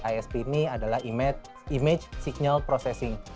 isp ini adalah image signal processing